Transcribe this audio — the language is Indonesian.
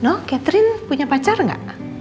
no catherine punya pacar gak